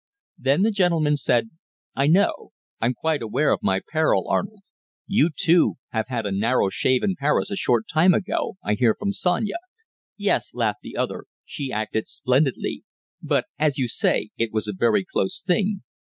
Then the gentleman said: 'I know! I'm quite aware of my peril, Arnold. You, too, had a narrow shave in Paris a short time ago I hear from Sonia.' 'Yes,' laughed the other, 'she acted splendidly. But, as you say, it was a very close thing.